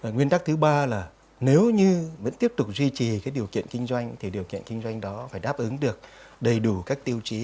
nguyên tắc thứ ba là nếu như vẫn tiếp tục duy trì điều kiện kinh doanh thì điều kiện kinh doanh đó phải đáp ứng được đầy đủ các tiêu chí